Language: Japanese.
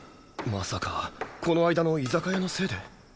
まさかこの間の居酒屋のせいで？